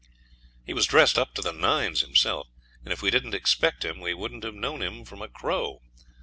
He was dressed up to the nines himself, and if we didn't expect him we wouldn't have known him from a crow.